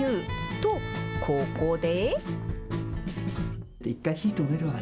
と、ここで。